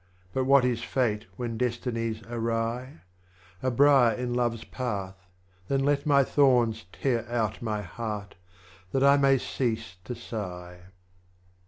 But what is Fate when Destiny 's awry ? A Briar in Love's Path, then let my Thorns Tear out my Heart, that I may cease to sigh.